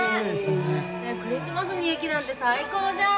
クリスマスに雪なんて最高じゃん。